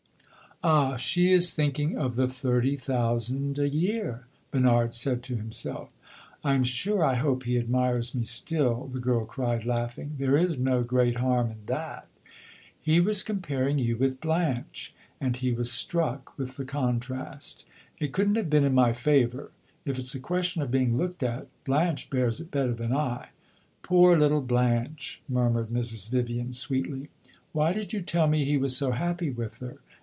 "Ah! she is thinking of the thirty thousand a year," Bernard said to himself. "I am sure I hope he admires me still," the girl cried, laughing. "There is no great harm in that." "He was comparing you with Blanche and he was struck with the contrast." "It could n't have been in my favor. If it 's a question of being looked at, Blanche bears it better than I." "Poor little Blanche!" murmured Mrs. Vivian, sweetly. "Why did you tell me he was so happy with her?"